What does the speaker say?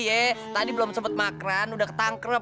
eh tadi belum sempet makran udah ketangkrep